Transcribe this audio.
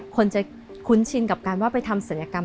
คนจะคุ้นชินกับการว่าไปทำศัลยกรรม